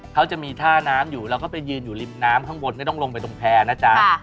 เขาจะมีท่าน้ำอยู่เราก็ไปยืนอยู่ริมน้ำข้างบนไม่ต้องลงไปตรงแพร่นะจ๊ะ